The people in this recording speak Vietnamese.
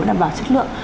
đảm bảo chất lượng